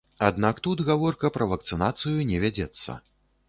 Аднак, тут гаворка пра вакцынацыю не вядзецца.